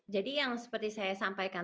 jadi yang seperti saya sampaikan